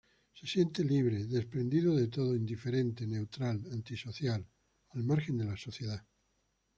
Se siente libre, desprendido de todo, indiferente, neutral, antisocial, al margen de la sociedad.